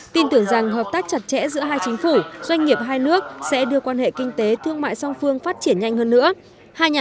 tin tưởng rằng hợp tác chặt chẽ giữa hai chính phủ doanh nghiệp hai nước sẽ đưa quan hệ kinh tế thương mại song phương phát triển nhanh hơn nữa